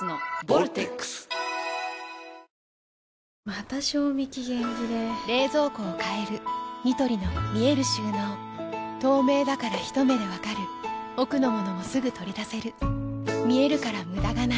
また賞味期限切れ冷蔵庫を変えるニトリの見える収納透明だからひと目で分かる奥の物もすぐ取り出せる見えるから無駄がないよし。